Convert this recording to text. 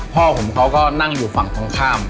พ่อผมเขาก็นั่งอยู่ฝั่งตรงข้าม